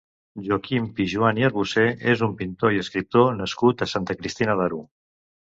Joaquim Pijoan i Arbocer és un pintor i escriptor nascut a Santa Cristina d'Aro.